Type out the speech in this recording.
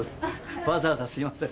わざわざすみません。